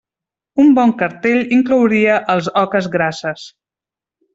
Un bon cartell inclouria els Oques Grasses.